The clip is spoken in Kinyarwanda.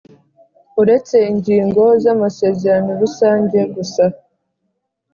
Uretse ingingo z amasezerano rusange gusa